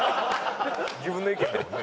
自分の意見だもんね。